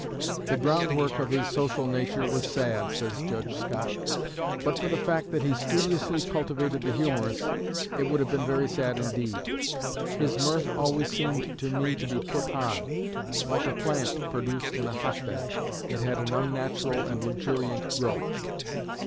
"The groundwork of his social nature was sad," says Judge Scott. "But for the fact that he studiously cultivated the humorous, it would have been very sad indeed. His mirth always seemed to me to be put on; like a plant produced in a hot bed, it had an unnatural and luxuriant growth."